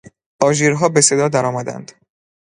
آژیرها به صدا درآمدند.